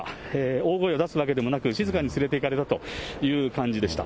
大声を出すわけでもなく、静かに連れていかれたという感じでした。